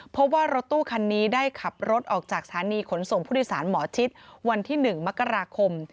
พบว่ารถตู้คันนี้ได้ขับรถออกจากสถานีขนสมพุทธศาลหมอชิตวันที่๑มกราคม